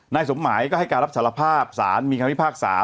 สมหมายก็ให้การรับสารภาพสารมีคำพิพากษา